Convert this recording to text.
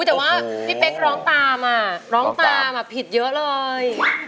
แต่ว่าพี่เพคร้องตามอ่ะเข้าผิดเยอะเลย